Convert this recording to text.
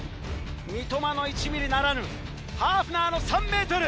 「三笘の１ｍｍ」ならぬハーフナーの３ｍ。